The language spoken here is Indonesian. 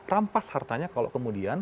rampas hartanya kalau kemudian